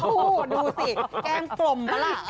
โอ้โหดูสิแก้มกลมแล้วล่ะ